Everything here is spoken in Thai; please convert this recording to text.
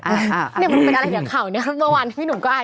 นี่มันเป็นอะไรเหลือข่าวนี้ครับเมื่อวานที่พี่หนุ่มก้าย